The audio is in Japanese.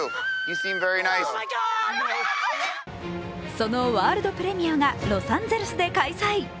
そのワールドプレミアがロサンゼルスで開催。